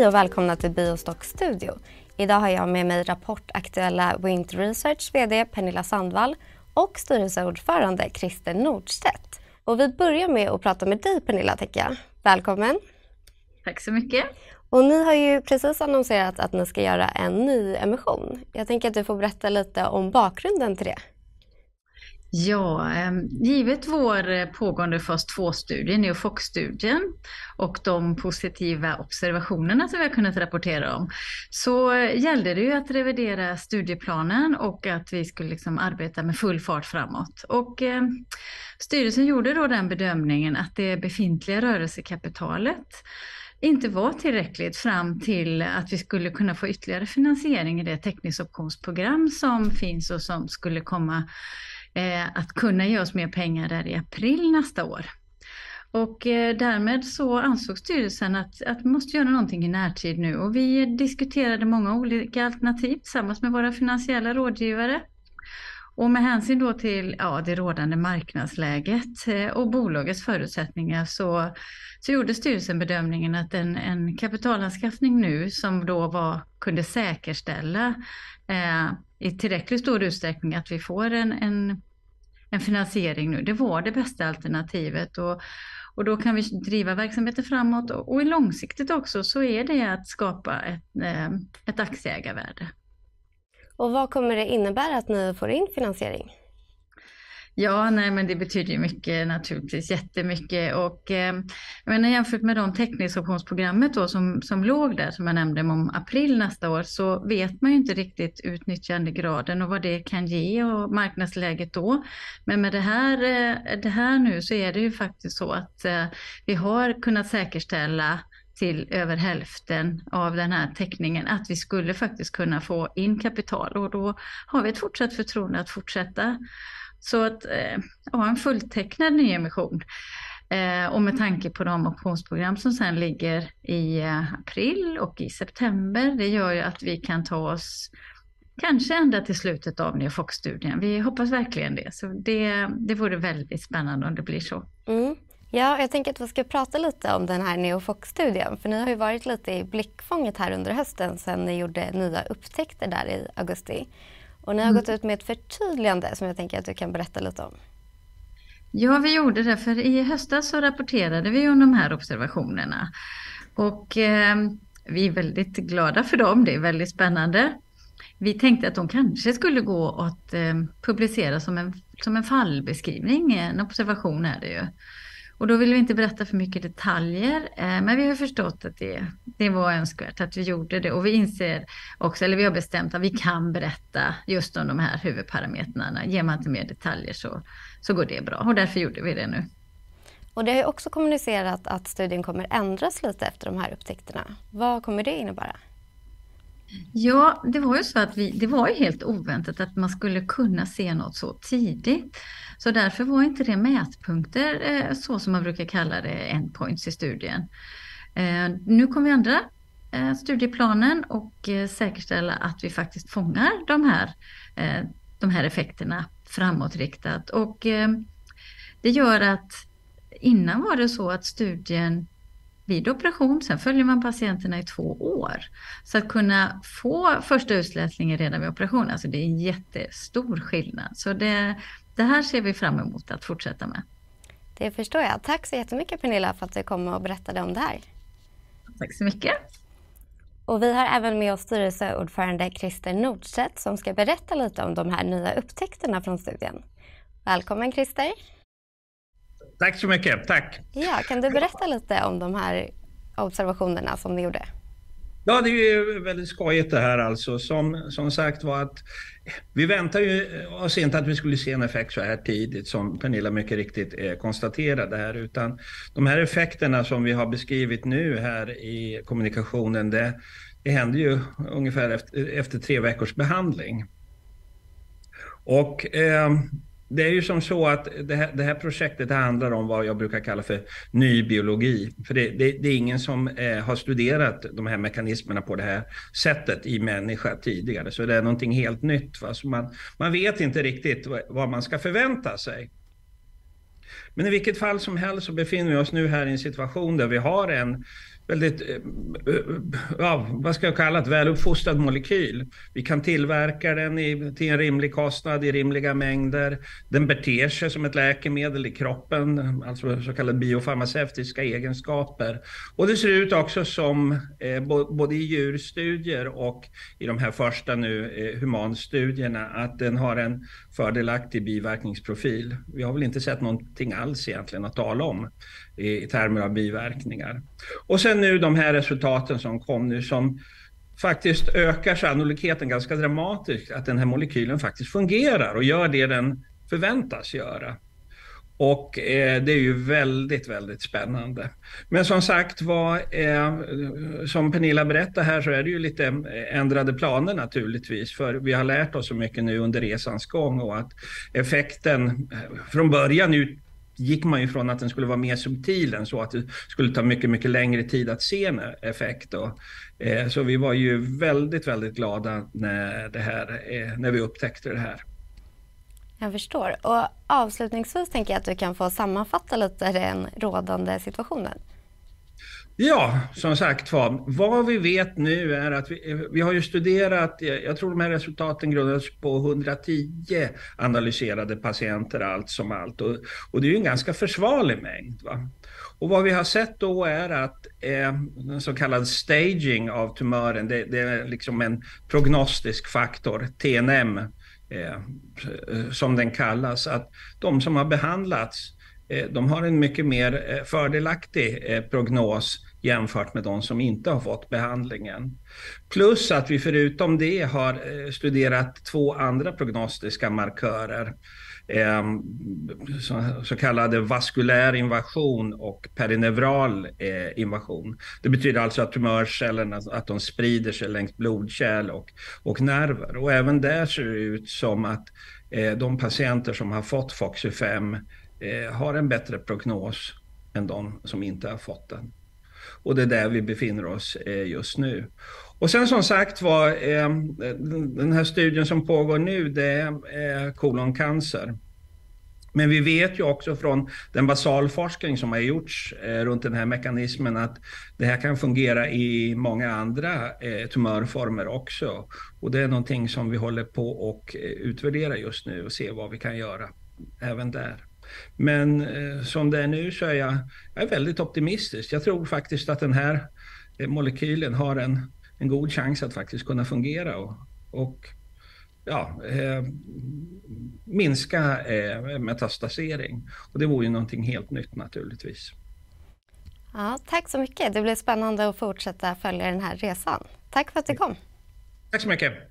Hej och välkomna till BioStock Studio. Idag har jag med mig rapportaktuella WntResearch VD Pernilla Sandwall och styrelseordförande Christer Nordstedt. Och vi börjar med att prata med dig Pernilla, tänker jag. Välkommen. Tack så mycket. Ni har ju precis annonserat att ni ska göra en nyemission. Jag tänker att du får berätta lite om bakgrunden till det. Ja, givet vår pågående fas 2-studie, NeoFox-studien och de positiva observationerna som vi har kunnat rapportera om, så gällde det ju att revidera studieplanen och att vi skulle liksom arbeta med full fart framåt. Styrelsen gjorde då den bedömningen att det befintliga rörelsekapitalet inte var tillräckligt fram till att vi skulle kunna få ytterligare finansiering i det teckningsoptionsprogram som finns och som skulle komma att kunna ge oss mer pengar där i april nästa år. Därmed så ansåg Styrelsen att vi måste göra någonting i närtid nu. Vi diskuterade många olika alternativ tillsammans med våra finansiella rådgivare. Med hänsyn då till, ja, det rådande marknadsläget och bolagets förutsättningar så gjorde Styrelsen bedömningen att en kapitalanskaffning nu som då var, kunde säkerställa i tillräcklig stor utsträckning att vi får en finansiering nu. Det var det bästa alternativet och då kan vi driva verksamheten framåt. Långsiktigt också så är det att skapa ett aktieägarvärde. Vad kommer det innebära att ni får in finansiering? Ja, nej men det betyder ju mycket naturligtvis, jättemycket. Jag menar jämfört med de teckningsoptionsprogrammet då som låg där, som jag nämnde om april nästa år, så vet man ju inte riktigt utnyttjandegraden och vad det kan ge och marknadsläget då. Med det här nu så är det ju faktiskt så att vi har kunnat säkerställa till över hälften av den här teckningen att vi skulle faktiskt kunna få in kapital och då har vi ett fortsatt förtroende att fortsätta. Att ha en fulltecknad nyemission och med tanke på de optionsprogram som sedan ligger i april och i september, det gör ju att vi kan ta oss kanske ända till slutet av NeoFox-studien. Vi hoppas verkligen det. Det vore väldigt spännande om det blir så. Ja, jag tänker att vi ska prata lite om den här NeoFox-studien för ni har ju varit lite i blickfånget här under hösten sedan ni gjorde nya upptäckter där i augusti. Ni har gått ut med ett förtydligande som jag tänker att du kan berätta lite om. Ja, vi gjorde det, för i höstas så rapporterade vi ju de här observationerna och vi är väldigt glada för dem. Det är väldigt spännande. Vi tänkte att de kanske skulle gå att publicera som en fallbeskrivning, en observation är det ju. Då vill vi inte berätta för mycket detaljer, men vi har förstått att det var önskvärt att vi gjorde det och vi inser också, eller vi har bestämt att vi kan berätta just om de här huvudparametrarna. Ger man inte mer detaljer så går det bra och därför gjorde vi det nu. Det har ju också kommunicerat att studien kommer ändras lite efter de här upptäckterna. Vad kommer det innebära? Ja, det var ju helt oväntat att man skulle kunna se något så tidigt. Därför var inte det mätpunkter, så som man brukar kalla det, endpoints i studien. Nu kommer vi ändra studieplanen och säkerställa att vi faktiskt fångar de här effekterna framåtriktat. Det gör att innan var det så att studien vid operation, sen följer man patienterna i två år. Att kunna få första utläsningen redan vid operation, alltså det är en jättestor skillnad. Det här ser vi fram emot att fortsätta med. Det förstår jag. Tack så jättemycket Pernilla för att du kom och berättade om det här. Tack så mycket. Vi har även med oss Styrelseordförande Christer Nordstedt som ska berätta lite om de här nya upptäckterna från studien. Välkommen Christer. Tack så mycket, tack. Ja, kan du berätta lite om de här observationerna som ni gjorde? Ja, det är ju väldigt skojigt det här alltså. Som sagt var att vi väntar ju oss inte att vi skulle se en effekt så här tidigt som Pernilla mycket riktigt konstaterar det här. De här effekterna som vi har beskrivit nu här i kommunikationen, det hände ju ungefär efter tre veckors behandling. Det är ju som så att det här projektet handlar om vad jag brukar kalla för ny biologi. Det är ingen som har studerat de här mekanismerna på det här sättet i människa tidigare. Det är någonting helt nytt fast man vet inte riktigt vad man ska förvänta sig. I vilket fall som helst så befinner vi oss nu här i en situation där vi har en väldigt, ja vad ska jag kalla det, väluppfostrad molekyl. Vi kan tillverka den till en rimlig kostnad i rimliga mängder. Den beter sig som ett läkemedel i kroppen, alltså så kallade biofarmaceutiska egenskaper. Det ser ut också som, både i djurstudier och i de här första nu humanstudierna, att den har en fördelaktig biverkningsprofil. Vi har väl inte sett någonting alls egentligen att tala om i termer av biverkningar. Nu de här resultaten som kom nu som faktiskt ökar sannolikheten ganska dramatiskt att den här molekylen faktiskt fungerar och gör det den förväntas göra. Det är ju väldigt spännande. Som sagt, vad som Pernilla berättar här så är det ju lite ändrade planer naturligtvis, för vi har lärt oss så mycket nu under resans gång och att effekten från början utgick man ju ifrån att den skulle vara mer subtil än så, att det skulle ta mycket längre tid att se en effekt då. Vi var ju väldigt glada när vi upptäckte det här. Jag förstår. Avslutningsvis tänker jag att du kan få sammanfatta lite den rådande situationen. Ja, som sagt var, vad vi vet nu är att vi har ju studerat, jag tror de här resultaten grundas på 110 analyserade patienter allt som allt. Det är ju en ganska försvarlig mängd va. Vad vi har sett då är att en så kallad staging av tumören, det är liksom en prognostisk faktor, TNM som den kallas. Att de som har behandlats, de har en mycket mer fördelaktig prognos jämfört med de som inte har fått behandlingen. Plus att vi förutom det har studerat två andra prognostiska markörer. Så kallade vaskulär invasion och perineural invasion. Det betyder alltså att tumörcellerna, att de sprider sig längs blodkärl och nerver. Även där ser det ut som att de patienter som har fått Foxy-5 har en bättre prognos än de som inte har fått den. Det är där vi befinner oss just nu. Som sagt var, den här studien som pågår nu, det är koloncancer. Vi vet ju också från den basalforskning som har gjorts runt den här mekanismen att det här kan fungera i många andra tumörformer också. Det är någonting som vi håller på och utvärderar just nu och se vad vi kan göra även där. Som det är nu så är jag väldigt optimistisk. Jag tror faktiskt att den här molekylen har en god chans att faktiskt kunna fungera och, ja, minska metastasering. Det vore ju någonting helt nytt naturligtvis. Ja, tack så mycket. Det blir spännande att fortsätta följa den här resan. Tack för att du kom. Tack så mycket.